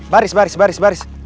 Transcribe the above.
baris baris baris